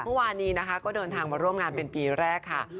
เมื่อวานนี้นะคะก็เดินทางมาร่วมงานเป็นปีแรกค่ะ